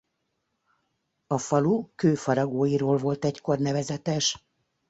A falu kőfaragóiról volt egykor nevezetes.